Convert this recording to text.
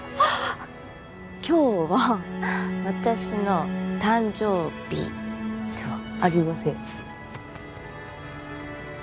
今日は私の誕生日ではありません。